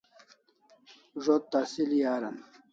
Zo't tasili aran